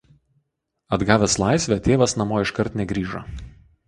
Atgavęs laisvę tėvas namo iškart negrįžo.